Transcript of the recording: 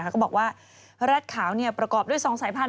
ก็บอกว่าแร็ดขาวประกอบด้วย๒สายพันธุ